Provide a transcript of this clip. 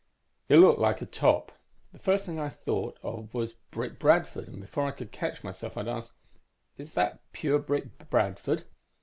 "It looked like a top. The first thing I thought of was Brick Bradford, and before I could catch myself, I'd asked, 'Is that pure Brick Bradford?'